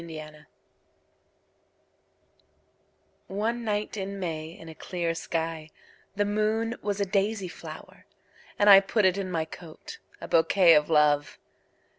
My Flower ONE night in May in a clear skyThe moon was a daisy flower:And! put it in my coat,A bouquet of Love!